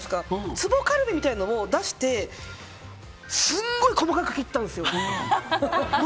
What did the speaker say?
つぼカルビみたいなのを出してすごく細かく切ったんですよ。